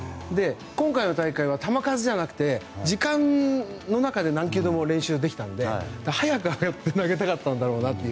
今回の大会は球数じゃなくて時間の中で何球でも練習できたので早く投げたかったんだろうなって。